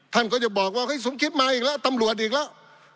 ท่านก็จะบอกว่าสมคิดมาอีกแล้วตำรวจอีกแล้ว